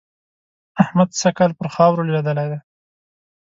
احمد سږ کال پر خاورو لوېدلی دی.